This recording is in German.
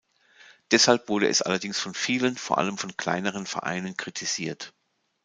Deshalb wurde es allerdings von vielen, vor allem von kleineren Vereinen, kritisiert.